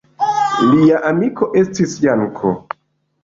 Lia amiko estis Janko.